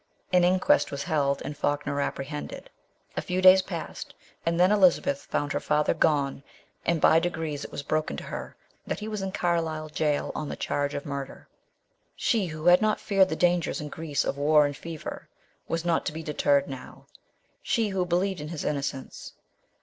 An inquest was held, and Falkner appre hended. A few days passed, and then Elizabeth found her father gone ; and by degrees it was broken to her that he was in Carlisle gaol on the charge of murder. She, who had not feared the dangers in Greece of war and fever, was not to be deterred now ; she, who be lieved in his innocence.